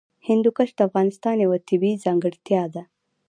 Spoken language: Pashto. هندوکش د افغانستان یوه طبیعي ځانګړتیا ده.